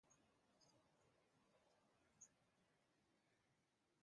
He continued to climb buildings and steal from apartments.